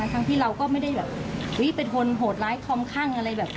ทั้งที่เราก็ไม่ได้แบบเป็นคนโหดร้ายคอมคั่งอะไรแบบ